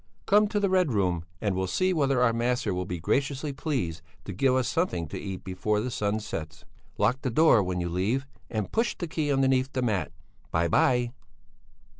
Come to the Red Room and we'll see whether our master will be graciously pleased to give us something to eat before the sun sets. Lock the door, when you leave, and push the key underneath the mat. By by!"